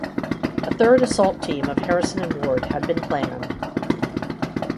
A third assault team of Harrison and Ward had been planned.